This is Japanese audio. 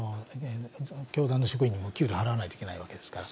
教団の職員にも給料を払わなければいけないわけですから。